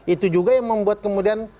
itu juga yang membuat kemudian